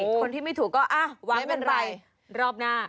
คนที่ไม่ถูกก็ว้างกันไปรอบหน้า